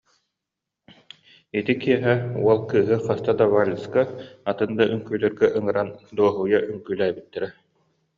Ити киэһэ уол кыыһы хаста да вальска, атын да үҥкүүлэргэ ыҥыран дуоһуйа үҥкүүлээбиттэрэ